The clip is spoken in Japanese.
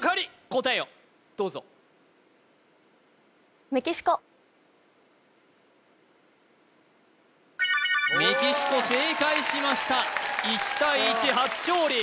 答えをどうぞメキシコ正解しました１対１初勝利